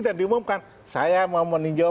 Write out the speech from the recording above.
dan diumumkan saya mau meninjau